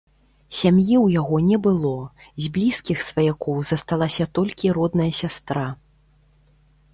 Сям'і ў яго не было, з блізкіх сваякоў засталася толькі родная сястра.